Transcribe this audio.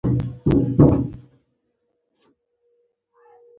هغه عسکر چې په الوتکو یې ډزې کولې حماقت وکړ